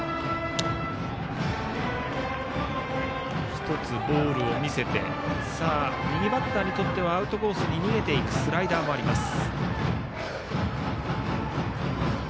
１つボールを見せて右バッターにとってはアウトコースに逃げていくスライダーもあります。